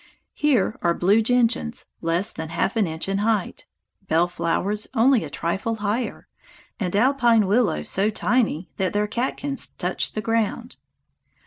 Here are blue gentians less than half an inch in height, bell flowers only a trifle higher, and alpine willows so tiny that their catkins touch the ground.